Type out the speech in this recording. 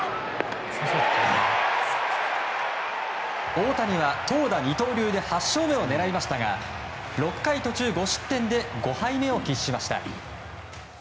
大谷は投打二刀流で８勝目を狙いましたが６回途中５失点で５敗目を喫しました。